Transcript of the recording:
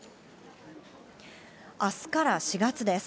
あすから４月です。